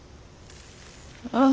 ああ。